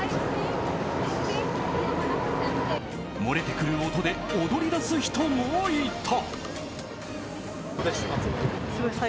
漏れてくる音で踊り出す人もいた。